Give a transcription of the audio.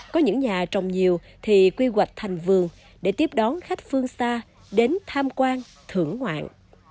có những nhà trồng nhiều thì quy hoạch thành vườn để tiếp đón khách phương xa đến tham quan thưởng ngoạn